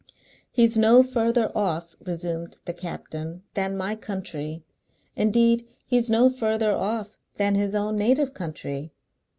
"He's no further off," resumed the captain, "than my country. Indeed, he's no further off than his own native country.